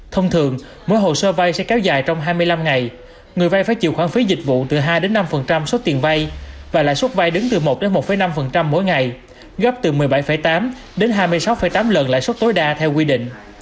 thông thường mỗi hồ sơ vay sẽ kéo dài trong hai mươi năm ngày người vay phải chịu khoản phí dịch vụ từ hai năm số tiền vay và lãi suất vai đứng từ một một năm mỗi ngày gấp từ một mươi bảy tám hai mươi sáu tám lần lãi suất tối đa theo quy định